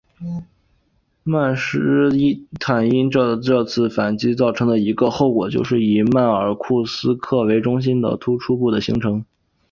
曼施坦因的这次反击造成的一个后果就是以库尔斯克为中心的突出部的形成。